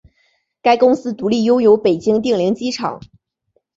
该公司独立拥有北京定陵机场。